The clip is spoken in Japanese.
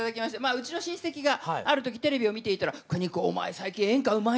うちの親戚がある時テレビを見ていたら「邦子お前最近演歌うまいね」って言って。